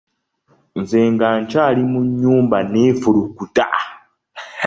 Nze nga nkyali mu nnyumba neefulukuta.